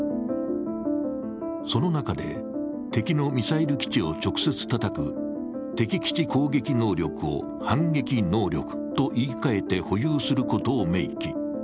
その中で、敵のミサイル基地を直接たたく敵基地攻撃能力を反撃能力と言い換えて保有することを明記。